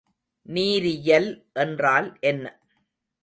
நீரியல் என்றால் என்ன?